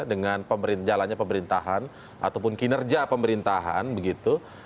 dengan jalannya pemerintahan ataupun kinerja pemerintahan begitu